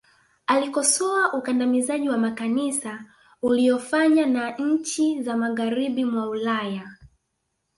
alikosoa ukandamizaji wa makanisa uliyofanya na nchi za magharibi mwa ulaya